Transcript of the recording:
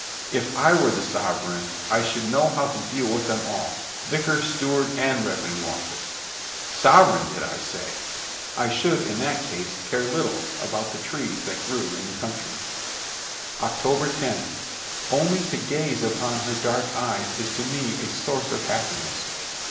If I were the sovereign, I should know how to deal with them all, vicar, steward, and revenue office. Sovereign, did I say? I should, in that case, care little about the trees that grew in the country. OCTOBER 10. Only to gaze upon her dark eyes is to me a source of happiness!